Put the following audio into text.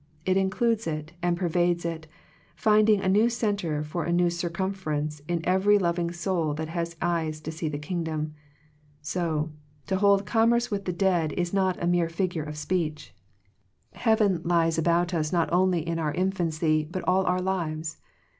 It includes it and pervades it, finding a new centre for a new cir cumference in every loving soul that has eyes to see the Kingdom. So, to hold commerce with the dead is not a mere figure of speech. Heaven lies about us I2Q Digitized by VjOOQIC THE ECLIPSE OF FRIENDSHIP not only in our infancy, but all our lives.